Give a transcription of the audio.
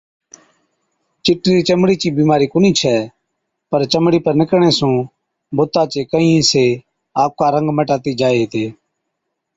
چِٽرِي چمڙي چِي بِيمارِي ڪونهِي ڇَي پَر چمڙِي پر نِڪرڻي سُون بُتا چي ڪهِين حِصي آپڪا رنگ مٽاتِي جائي هِتي۔